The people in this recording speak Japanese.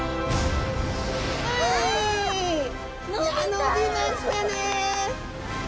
いや伸びましたね！